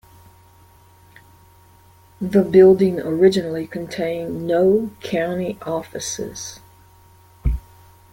The building originally contained no county offices.